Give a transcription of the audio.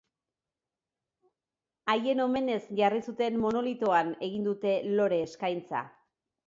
Haien omenez jarri zuten monolitoan egin dute lore-eskaintza.